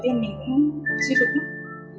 đầu tiên mình cũng suy sụp lắm